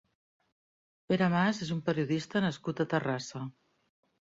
Pere Mas és un periodista nascut a Terrassa.